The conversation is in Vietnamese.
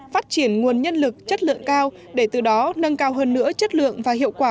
phát triển nguồn nhân lực chất lượng cao để từ đó nâng cao hơn nữa chất lượng và hiệu quả